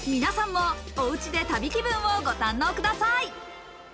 皆さんもおうちで旅気分をご堪能ください。